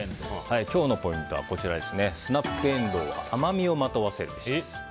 今日のポイントはスナップエンドウは甘みをまとわせるべし。